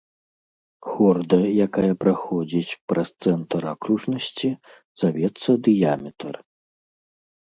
Хорда, якая праходзіць праз цэнтр акружнасці, завецца дыяметр.